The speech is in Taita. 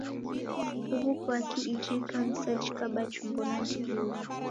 Huw'u kwaki iji ikanisa jikaba chumbo nandighi huw'u?